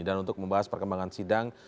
dan untuk membahas perkembangan sidang